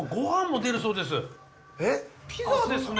ピザですね。